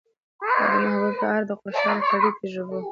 او د محبوبې په اړه د خوشال فردي تجربو